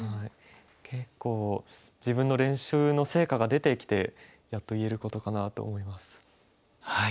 結構自分の練習の成果が出てきてやっと言えることかなと思います。